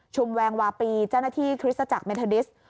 ชุมแวงวาปีใจหน้าที่คริสต์จักรเมทองศิษธ์